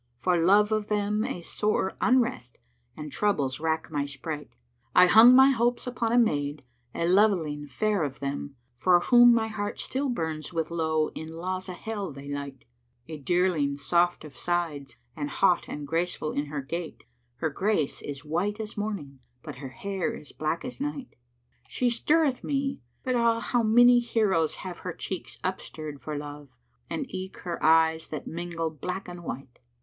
* For love of them a sore unrest and troubles rack my sprite: I hung my hopes upon a maid, a loveling fair of them, * For whom my heart still burns with lowe in Lazá hell they light;— A dearling soft of sides and haught and graceful in her gait, * Her grace is white as morning, but her hair is black as night: She stirreth me! But ah, how many heroes have her cheeks * Upstirred for love, and eke her eyes that mingle black and white."